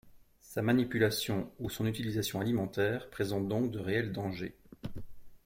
Sa manipulation ou son utilisation alimentaire présentent donc de réels dangers.